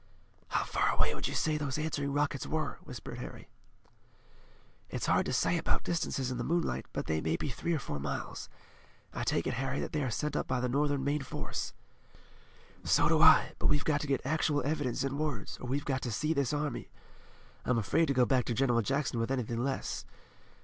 "How far away would you say those answering rockets were?" whispered Harry. "It's hard to say about distances in the moonlight, but they may be three or four miles. I take it, Harry, that they are sent up by the Northern main force." "So do I, but we've got to get actual evidence in words, or we've got to see this army. I'm afraid to go back to General Jackson with anything less.